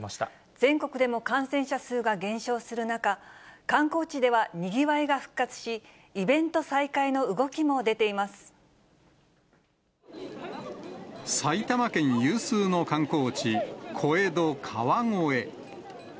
全国でも感染者数が減少する中、観光地ではにぎわいが復活し、埼玉県有数の観光地、小江戸、川越。